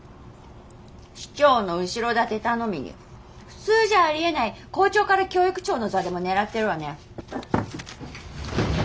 市長の後ろ盾頼みに普通じゃありえない校長から教育長の座でも狙ってるわね。